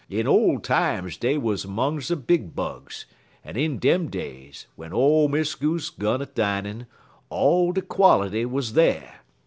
In ole times dey wuz 'mongs de big bugs, en in dem days, w'en ole Miss Goose gun a dinin', all de quality wuz dere.